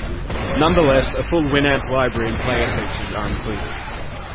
Nonetheless, a full Winamp Library and player features are included.